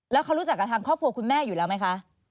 แล้วเขารู้จักกับทางครอบครัวคุณแม่อยู่แล้วไหมคะ